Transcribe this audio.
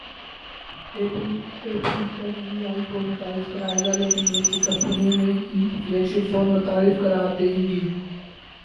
apple تک ہی iPod متعارف کرائے گا لیکن بہت سی کمپنیاں میں ہی فلیگ شپ فون متعارف کرا دیں گی